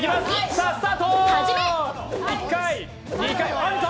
さあ、スタート！